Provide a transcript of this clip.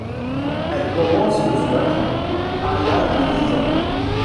Elle commence le squash à l'âge de dix ans.